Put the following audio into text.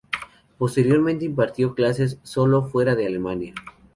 Posteriormente impartió clases solo fuera de Alemania.